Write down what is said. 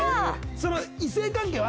その異性関係は？